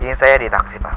ini saya di taksi pak